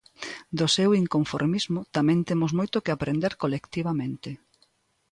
Do seu inconformismo tamén temos moito que aprender colectivamente.